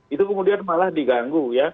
itu kemudian malah diganggu